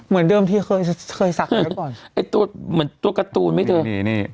เหมือนเดิมที่เคยเคยสักไว้ก่อนไอ้ตัวเหมือนตัวการ์ตูนไหมเธอนี่นี่